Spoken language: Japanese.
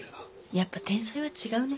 やっぱ天才は違うね。